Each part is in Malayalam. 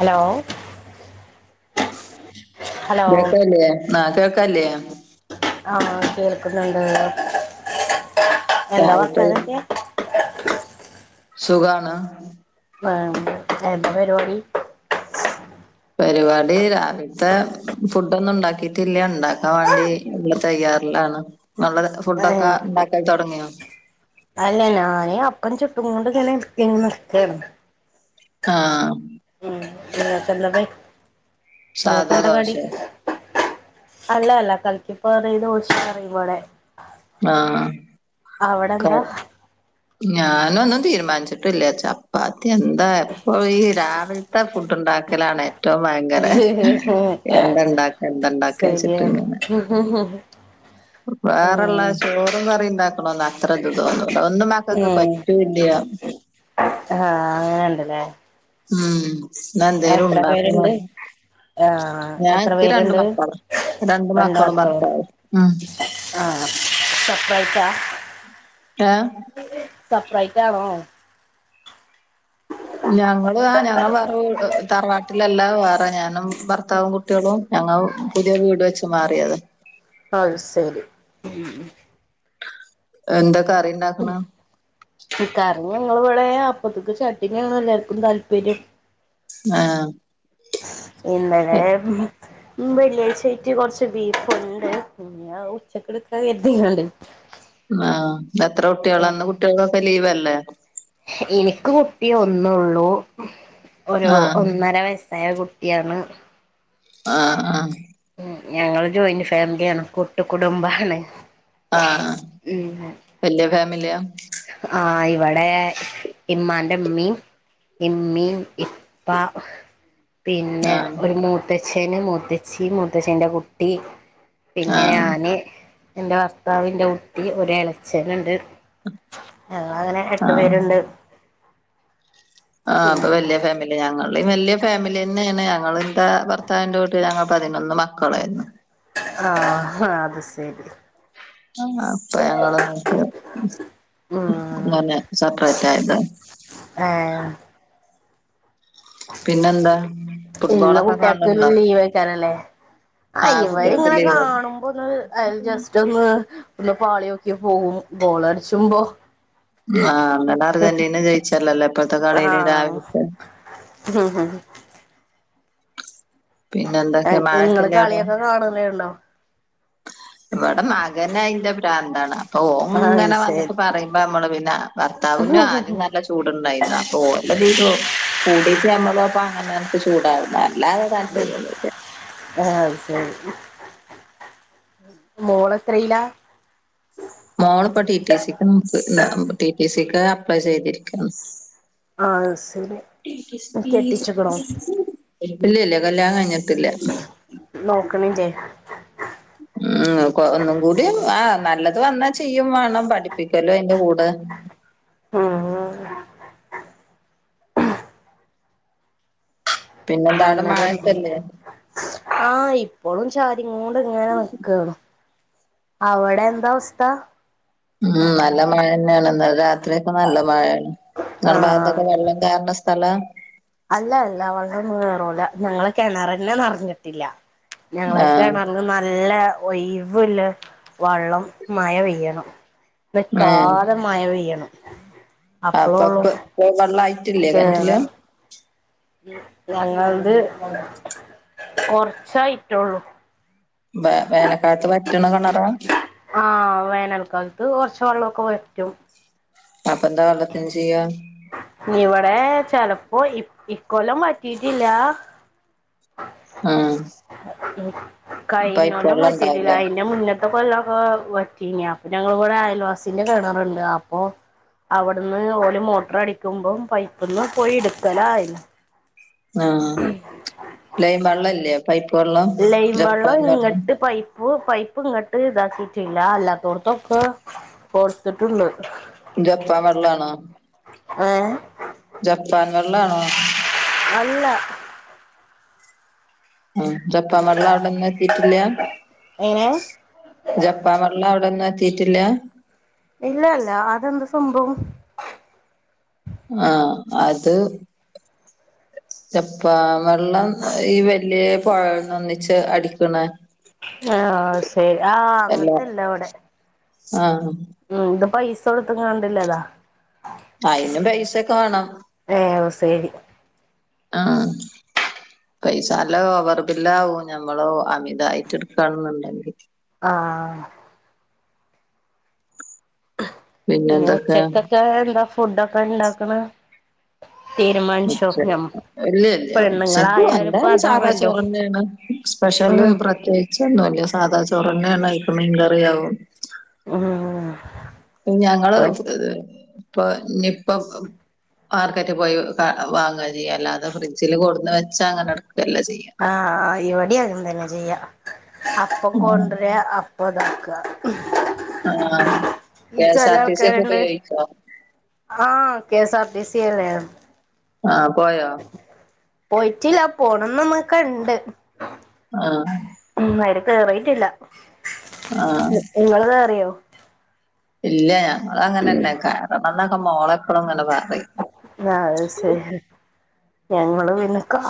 ഹലോ ഹലോ കേക്കല്ലേ ആ കേൾക്കാല്ലേ ആഹ കേൾക്കുന്നുണ്ട് എന്താ രാവിലത്തെ വർത്താനൊക്കെ സുഖാണ് ആ എന്ത പരിപാടി പരിപാടി രാവിലത്തെ ഫുഡ്‌ ഒന്നുണ്ടാക്കിട്ടില്ല ഇണ്ടാക്കാൻ വേണ്ടി ഇള്ള തയ്യാറിലാണ് നല്ലത് ഏ ഫുഡൊക്കെ ഉണ്ടാക്കൽ തുടങ്ങിയോ അല്ല ഞാനേ അപ്പം ചുട്ടു കൊണ്ട് ഇങ്ങനെ [inaudible] നിക്കാണ് ആഹ ഉം ഇങ്ങക്ക് എന്താ സാധാ ഇങ്ങക്കെന്താ ദോശ കടി അല്ല അല്ല കലക്കിപ്പാറിയെ ദോശന്ന് പറിം ഇവടെ ആഹ് അവിടെ ക എന്താ ഞാനൊന്നും തീരുമാനിച്ചിട്ടില്ല ചപ്പാത്തി എന്താ എപ്പലും ഈ രാവിലെ ത്തെ ഫുഡ് ഉണ്ടാക്കലാണ് ഏ ഏറ്റവും ഭയങ്കര എന്ത ഇണ്ടാക്ക എന്തണ്ടാക്കാ വെച്ചിട്ട് ഇങ്ങനെ ഹു ഹു ഹും വേറെള്ള ചോറും കറി ഇണ്ടാക്കണതൊന്നും അത്ര ഇത് തോന്നൂല ഒന്നും മക്കൾക്ക് പറ്റൂല്ല്യ ആഹ അങ്ങനെണ്ടല്ലേ ഉം ഇന്നാ എന്തേലും എത്ര ഉണ്ടാക്കും പേരുണ്ട് വേണം ആ ഞാൻ എത്ര ഇന്കി രണ്ട് പേരുണ്ട് മക്കള് രണ്ട് മക്കളും ഭർത്താവും ആഹ് സെപ്പറേറ്റ് ആഹ് ഏഹ് സപറൈറ്റ് ആണോ ഞങ്ങള് ആ ഞങ്ങൾ വേറെ തറവാട്ടിലെല്ല വേറെ ഞാനും ഭർത്താവും കുട്ട കുട്ടികളും ഞങ്ങൾ പുതിയ വീട് വെച്ച് മാറിയതാ അത് ശരി ഉം ഉം എന്താ കറിണ്ടാക്ക്ണ് കറ ഞങ്ങളിവ്ടെ അപ്പത്ത്ക്ക് ചട്ടിണി ആണ് എല്ലാവർക്കും താല്പര്യം ഏഹ് ഇന്നലെ വെള്ളിയാഴ്ച്ച ആയിട്ട് കൊറച്ച് ബീഫുണ്ട് ഇനി അത്‌ ഉച്ചക്കി ഇടക്കാ കരുതിങ്ങാണ്ടേ ആ എത്ര കുട്ട്യാളാ ഇന്ന് കുട്ടികൾക്കൊക്കെ ലീവല്ലേ ഇനിക്ക് കുട്ടി ഒന്നൊള്ളൂ ഒരു ആ ഒന്നര വയസ് യ കുട്ടിയാണ് ആഹ ആഹ ഉം ഞങ്ങള് ജോയിന്റ് ഫാമിലിയാണ് കുട്ട് കുടുംബമാണ് ആഹ വല്ല്യ ഫാമിലിയാ ആഹ് ഇവിടെ ഇമ്മാന്റെ ഇമ്മീം ഇമ്മീം ഇപ്പാ പിന്നെ ആ ഒരു മൂത്തച്ഛന് മൂത്തച്ചി മൂത്തച്ചന്റെ കുട്ടി ആ പിന്നെ ഞാന് ഇന്റെ ഭർത്താവ് ഇന്റെ കുട്ടി ഒര് എളച്ചന്ണ്ട് ഞങ്ങള ങ്ങനെ ആ എട്ടു പേരുണ്ട് ആഹ് അപ്പോ വല്ല്യഫാമിലി ഞങ്ങളെം വല്ല്യ ഫാമിലി ന്നെയെണ് ഞങ്ങളിൽതെ ഭർത്താവിന്റെ വീട്ടിലങ്ങള്പതിനൊന്ന് മക്കളായിരുന്നു ആഹ് ആ അത് ശരി ആ അപ്പ ഞങ്ങളങ്ങട്ട് ഉം അങ്ങനെ സെപ്പറേറ്റ് ആയത ഏഹ് പിന്നെന്താ ഇന്ന് ഫുട്ബോളൊക്കെ കുട്ടിയക്ക് കാണലുണ്ടോ ലീവേയ്ക്കാരല്ലേ ആ കുട്ടികൾക്ക് ആയിവരിങ്ങനെ ലീവ് കാണുമ്പോന്നത് അ ജെസ്റ്റ് തൊന്ന് ഒന്ന് പാളിയോക്ക്യ പോവും ബോളടിച്ചുമ്പോ ആഹ് ഇന്നലെ അർജന്റീന ജയിച്ചല്ലല്ലോ ഇപ്പഴത്തെ കളീല് രാവിൽതെ ഹും ഹും പിന്നെ എ എന്തൊക്കെ നിങ്ങള് മഴക്കില്ലേ അവിടെ കളിയൊക്കെ കാണല്ണ്ടോ ഇവിടെ മകനയിന്റെ പ്രാന്താണ് അപ്പൊ അത് ഓങ്ങനെ വന്നിട്ട് ശരി പറയുമ്പോ അമ്മള് പിന്നെ ഭർത്താവുന്ന് ആദ്യം നല്ല ഇഷ്ടാ ചൂടുണ്ടായിന്ന് അപ്പൊലതീ [unintelligible] കൂടീട്ട് നമ്മളു അപ്പൊ അങ്ങനെത്ത ചൂടായൊണ്ട ല്ലാതെ താല്പര്യൊന്നൂല്ല ആഹ് അത്ശെരി മോളെത്രീല മോളിപ്പ ടി ടി സിക്ക് നോക്ക് ന്ന് ടിടി സിക്ക് അപ്ലൈ ചെയ്തിരിക്കാണ് ആ സില് [unintelligible] കെട്ടിച്ചിക്കണോ ഇല്ലില്ല കല്യാണം കഴിഞ്ഞിട്ടില്ല്യ നോക്കണില്ലേ ഉം ഉം ഒന്നും കൂടി ആ നല്ലത് വന്നാ ചെയ്യും വേണം പഠിപ്പിക്കലു അയ്ന്റെ കൂടെ ഉം ഉം പിന്നെന്താണ് നല്ലതാന്നുംല്ല മഴത്തല്ലേ ആഹ് ഇപ്പോഴും ചാരിങ്ങോണ്ട്ങ്ങനെ നിക്കാണ് അവിടെ എന്താ അവസ്ഥ ഉം നല്ല മഴന്നേയാണ് ന്നലെ രാത്രിയക്കെ നല്ല മഴയാണ് ആ ഇങ്ങളെ ഭാത്തൊക്കെ വെള്ളം കേറണ സ് സല അല്ല അല്ല വെള്ളൊന്നും കേറൂല ഞങ്ങളെ കിണറന്നെനെറഞ്ഞിട്ടില്ല ഞങ്ങള ആഹ് കിണർ നല്ല ഒയിവുള്ള വള്ളം മയിൽ പെയ്യണം ഏഹ് നിക്കാതെ മയ പെയ്യണം അപ്പളൊള്ളൂ അപ്പൊപ് വെള്ളായിട്ടില്ലേ കേറ കെണറ്റില് ഞങ്ങളത് കൊറച്ചായിറ്റെള്ളൂ വെ വേനക്കാലത്ത് വറ്റ്ണ കെണറ ആ വേനൽക്കാലത്ത് കൊറച് വെള്ളോക്കെ വറ്റും അപ്പൊന്താ വെള്ളത്തിനു ചെയ്യ ഇവിടെ ചെലപ്പോ ഇ ഇക്കൊല്ലം വറ്റീട്ടില്ല ആഹ് പൈപ്പ് കയിഞ്ഞൊല്ലം വെള്ളം വറ്റിട്ടില്ല ഉണ്ടാവൂലേ? അയ്ന്റെ മുന്ന ത്ത കൊല്ലൊക്കെ വറ്റിങ്ങി അപ്പൊ ഞങ്ങളിവിടെ അയൽവാസിന്റെ കെണറുണ്ട് അപ്പൊ അവിടുന്ന് ഓല് മോട്ടറടിക്കുമ്പോ പൈപ്പ്ന്ന് പോയി എടുക്കലായി. ആഹ് ലേൻ വെള്ളംല്ലേ പൈപ്പ് വെള്ളം ജപ്പാൻ വെള്ളം. പ്പോ പൈപ്പ് ഇങ്ങട്ട് ഇതാക്കിട്ടില്ല അല്ലാത്തോടത്തൊക്കെ കൊടുത്തിട്ടുണ്ട്. ജപ്പാൻ വെള്ളാണോ. ഏഹ്. ജപ്പാൻ വെള്ളാണോ? അല്ല. ഉം ജപ്പാം വെള്ളാവിടൊന്നും എത്തിട്ടില്ല. എങ്ങനെ ജപ്പാൻ വെള്ളാവിടൊന്നും എത്തിട്ടില്ല. ഇല്ലാല്ല അതെന്ത് സംഭവം? ആഹ് അത് ജപ്പാൻവെള്ളം ഈ വല്യയ പൊഴേ ന്ന് ഒന്നിച്ച് അടിക്ണെ. ആഹ് ശരി ആഹ് അല്ല അങ്ങനത്തെല്ല ഇവിടെ. ആഹ്. ഉം ഇത് പൈസ കൊടുത്തുകാണ്ടില്ലതാ. അയിനും പൈസയൊക്കെ വേണം. ഏ ശരി. ആഹ് പൈസ അല്ല അല്ലാതെ ഓവർ ബില്ലാവോ ഞമ്മള് അമിതായിട്ട് എടുക്കണെന്നുണ്ടെങ്കിൽ. ആ ആഹ് പിന്നെ പിന്നെന്തൊക്കെ ഉച്ചക്കൊക്കെ എന്താ ഫുഡൊക്കെ ഇണ്ടാക്കണ്. ഉച്ച ഇല്ല ഇല്ല ഉച്ചക്ക്‌ പെണ്ണുങ്ങളായാലും ഇപ്പ [unintelligible] സാദാ അതാണല്ലോ ചോറന്നാണ്. സ്പെഷ്യല് ഉം പ്രത്യേകിചോന്നുല്ല സാധാ ചോറ്ന്നെയാണ് ആയിക്ക് മീൻകറിയാവും. [inaudible] ഞങ്ങള് ഇപ്പൊ ഇനി ഇപ്പ മാർക്കറ്റ് പോയി വാങ്ങുവ ചെയ്യയ അല്ലാതെ ഫ്രിഡ്ജില് കൊടുന്ന് വെച്ചാ അങ്ങനെ എടുക്കത്തില്ല ചെയ്യ. ആഹ് ഇവിടേം അങ്ങനെതന്നെയാ ചെയ്യാ അപ്പം കൊണ്ടരാ അപ്പം ഇതാക്കുക. ആഹ് ഈ കേ എസ് ചെല ആർ ടി സി ഒക്കെ ആൾക്കാരുണ്ട് ഉപയോഗിക്കാം. ആഹ് K S R T C യല്ലേ. ആഹ് പോയൊ പോയിട്ടില്ല പോണംന്ന് നമ്മക്ക് ഇണ്ട്. ആഹ് [unintelligible] ഉം അയില് കേറിട്ടില്ല ആ നിങ്ങള് കേറിയോ ഇല്ല ഞങ്ങള് അങ്ങനെ തന്നെ കേറണന്നൊക്കെ മോളെപ്പോഴും ഇങ്ങനെ പറയും. ആഹ് അത് ശരി. ഞങ്ങള് പിന്നെ കാ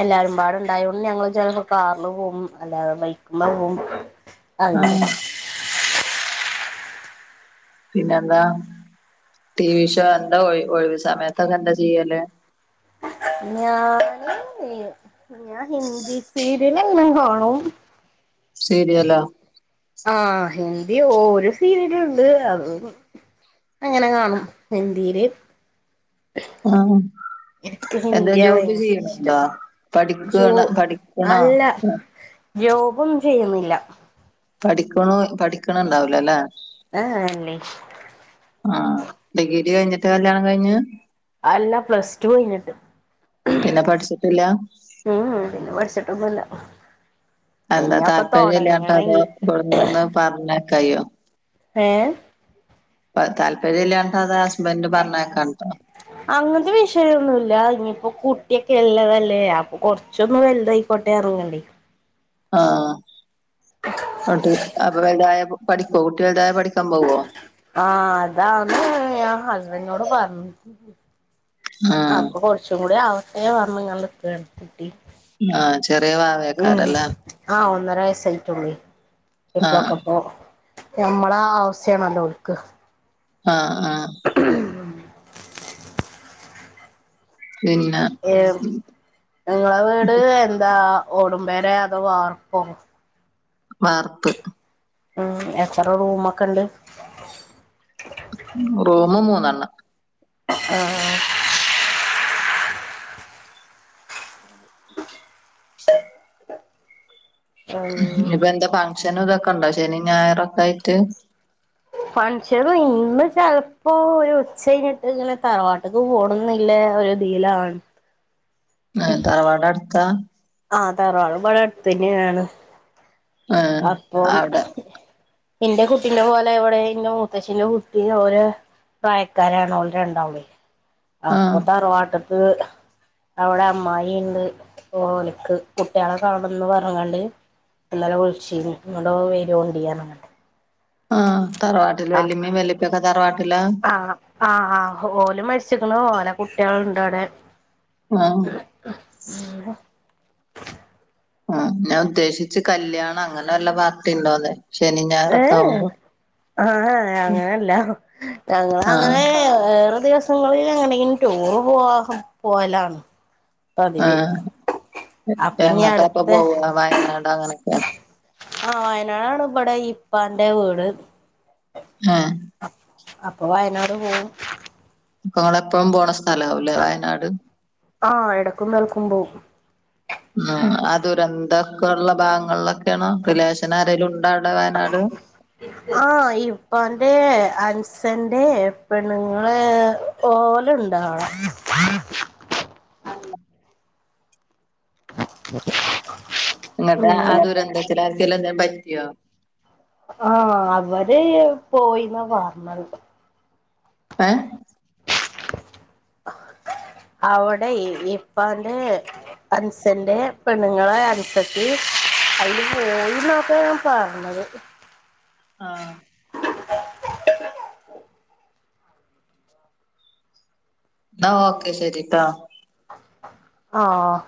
എല്ലാരും പാടെയുണ്ടായതോണ്ട് ഞങ്ങള് ചെലപ്പോ. കാറില് പോവും അല്ലാതെ ബൈക്മേ പോവും ആ അങ്ങനെ. പിന്നെന്താ ടി വി ഷോ എന്താ ഒഴിവ് സമയത്തൊക്കെ എന്താ ചെയ്യല്. ഞാന് ഞാൻ ഹിന്ദി സീരിയൽ എല്ലാം കാണും. സീരിയലോ ആഹ് ഹിന്ദി ഒരു സീരിയൽ ഒണ്ട് അത് അങ്ങനെ കാണും ഹിന്ദിയില് ആഹ്. എനിക്ക് എന്തേലും ഹിന്ദിയാ ജോബ് ഭയങ്കര ചെയ്യണുണ്ടോ ഇഷ്ടം ജോ പഠികാണ് പഠിക്കണോ. ജോബ് ഒന്നും ചെയ്യുന്നില്ല. പഠിക്കണോ പഠിക്കണണ്ടാവില്ലല്ലേ ആഹ് അല്ലേ. ആഹ് ഡിഗ്രി കഴിഞ്ഞിട്ടാ കല്യാണം കഴിഞ്ഞ് അല്ലാ പ്ലസ് ടു കഴിഞ്ഞിട്ട്. പിന്നെ പഠിച്ചിട്ടില്ല ഉം പിന്നെ പഠിച്ചിട്ടൊന്നുല്ല. അല്ല ഇനിയൊക്കെ താല്പര്യം ഇല്ലാത്തതൊ തൊടങ്ങണം ഇനി അതോ ഇവിടെ നിന്ന് പറഞ്ഞുയാക്കയോ ഏയ് താല്പര്യം ഇല്ലാണ്ടോ അതോ ആ ഹസ്ബൻഡറ് പറഞ്ഞയക്കാഞ്ഞിട്ടോ അങ്ങനത്തെ വിഷയമൊന്നുയില്ല ഇനിയിപ്പോ കുട്ടിയൊക്കെ ഉള്ളതല്ലേ അപ്പൊ കൊറച്ചൊന്നു വലുതായി കൊട്ട ഇറങ്ങണ്ടേ ആഹ എന്നിട്ട് അപ്പൊ വലുതായ പഠിക്കുവോ കുട്ടി വലുതായ പഠിക്കാൻ പോവോ ആഹ അതാന്ന് ഞാൻ ഹസ്ബൻഡിനോട് പറഞ്ഞു ആഹ് അപ്പൊ കൊറച്ച്- കൊറച്ചു കൂടി ആവട്ടെ എന്ന് പറഞ്ഞു കൊണ്ട് നിൽക്കാണ് കുട്ടി ആഹ ചെറിയ വാവ ഉം ആക്കാരല്ലേ ആഹ് ഒന്നര വയസ്സ് ആയിട്ടുള്ളു ആഹ് [unintelligible] ഓഹ് ഞമ്മളെ ആവിശ്യം ആണല്ലോ ഓൾക്ക് ആഹ്‌ ആഹ്‌ ! ! പിന്നെ ഏ നിങ്ങളെ വീട് എന്താ ഓടും പേരയോ അതോ വാർപ്പൊ വാർപ്പ് ഉം എത്ര റൂം ഒക്കെണ്ട് റൂം മൂന്നെണ്ണം ആഹ്‌ ആഹ്‌ ശരി ഇന്ന് ഉം ഇപ്പൊ എന്താ ഫംഗ്ഷനും ഇതൊക്കെ ഉണ്ടോ ശനി ഞായറൊക്കെ ആയിട്ട് ഫങ്ക്ഷന് ഇന്ന് ചെലപ്പോ ഒരു ഉച്ച കഴിഞ്ഞിട്ട് ഇങ്ങനെ തറവാട്ടക്ക് പോകണംന്നില്ല ഒരു [unintelligible] ചിയ്യലാണ് ഏ തറവാട് അടുത്ത ആ തറവാട് ഇവിടെ അടുത്ത് തന്നെയാണ് ആ അപ്പം അവിടെ എന്റെ കുട്ടീന്റെ പോലെ എവിടെ എന്റെ മൂത്തച്ചിന്റെ കുട്ടി ഓര് പ്രായക്കാരാണ് ഓൾ രണ്ടാളും ആ അപ്പൊ ത്തറവാട്ട്ക്ക്‌ അവിടെ അമ്മായി ണ്ട് അപ്പൊ ഓൾ ഇക്ക് കുട്ടികളെ കാണണം എന്ന് പറഞ്ഞുക്കാണ്ട് ഇന്നലെ വിളിച്ചീനുഇങ്ങട്ട് ഒന്ന് വരൊണ്ടി എന്ന് പറഞ്ഞു ക്കാണ്ട് ആ തറവാട്ടിൽ വല്ലിമ്മയും വല്ലിപ്പയും ഒക്കെ തറവാട്ടില ആ ആ ആ ഓൽ മരിച്ചിരിക്കുന്നു ഓലെ കുട്ടികളുണ്ട് അവിടെ ആഹ്‌ ഉം ഞാൻ ഉദ്ദേശിച്ചത് കല്യാണം അങ്ങനെ വല്ല പാർട്ടി ഉണ്ടോ എന്ന് ഏറക്കമ്പോ ആ അങ്ങനെയല്ല ഞങ്ങൾ ആ അങ്ങനെ വേറെ ദിവസം ങ്ങളിൽ എങ്ങോട്ടെങ്കിലും ടൂറ് പോ പോവലാണ് പതിവ് എന്നിട്ട് അപ്പൊ ഇനി എങ്ങട്ട ഇപ്പൊ അടുത്ത പോവ വയനാട് അങ്ങനെയൊക്കെയാ ആ വയനാടണ് ഇവിടെ ഇപ്പന്റെ വീട് ആഹ്‌ അപ്പൊ വയനാട് പോവും അപ്പൊ ഇങ്ങള് എപ്പോഴും പോകുന്ന സ്ഥലം ആവല്ലേ വയനാട് ആഹ എടക്കും തലക്കും പോവും ഉം ആ ദുരന്തൊക്കെ ഉള്ള ഭാഗങ്ങളിലൊക്കെയണോ റിലേഷൻ ആരെങ്കിലും ഉണ്ടാവിടെ വയനാട് ആ ഇപ്പൊന്റെ അൻസന്റെ പെണ്ണുങ്ങൾ ഓലുണ്ട് അവിടെ ! ! ! എന്നിട്ട് ആ ദുരന്തത്തിൽ ആർക്കെങ്കിലും എന്തെങ്കിലും പറ്റിയോ ആ അവര് പോയിന്ന പറഞ്ഞത് ഏ അവിടെ ഇപ്പാന്റെ അൻസന്റെ പെണ്ണുങ്ങളെ അൻസത്തി അതില് പോയിന്നോക്കെ ആണ് പറഞ്ഞത് ആഹ് എന്നാ ഓക്കെ ശരിട്ടാ ആഹ്